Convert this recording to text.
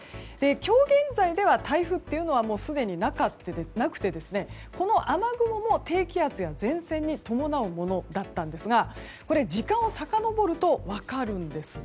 今日現在では台風というのはすでになくてこの雨雲も低気圧や前線に伴うものだったんですがこれ、時間をさかのぼると分かるんです。